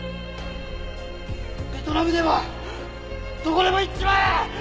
ベトナムでもどこでも行っちまえ！